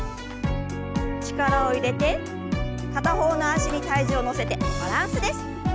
力を入れて片方の脚に体重を乗せてバランスです。